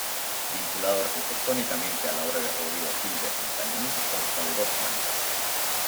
Vinculado arquitectónicamente a la obra de Rodrigo Gil de Hontañón, consta de dos plantas.